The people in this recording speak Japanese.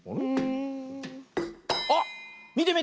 あっみてみて！